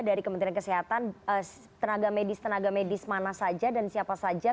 dari kementerian kesehatan tenaga medis tenaga medis mana saja dan siapa saja